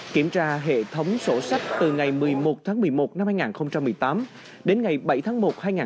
kiểm tra hệ thống sổ sách từ ngày một mươi một tháng một mươi một năm hai nghìn một mươi tám đến ngày bảy tháng một hai nghìn hai mươi